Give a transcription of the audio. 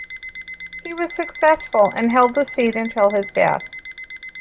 He was successful, and held the seat until his death.